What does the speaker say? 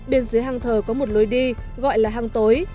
bên dưới hang thờ có một lối đi gọi là hang tối